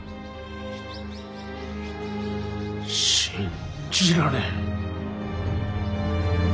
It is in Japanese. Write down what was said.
信じられん。